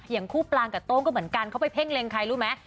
อย่างคู่ปลางกับโต้งก็เหมือนกันเขาไปเพ่งเล็งใครรู้ไหม